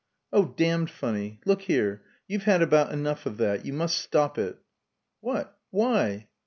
"Oh, damned funny. Look here. You've had about enough of that. You must stop it." "What! Why?"